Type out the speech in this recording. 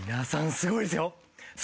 すごいですよ！